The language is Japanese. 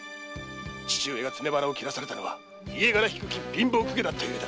父上が詰め腹を切らされたのは家柄低き貧乏公家だったゆえだ。